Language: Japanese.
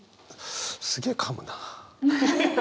すげえかむな。